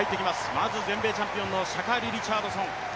まずは全米チャンピオンのリチャードソン。